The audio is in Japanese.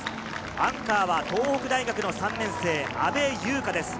アンカーは東北大学の３年生・阿部柚佳です。